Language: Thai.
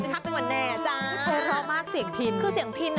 เข้าท้อนมากเสียงพลิน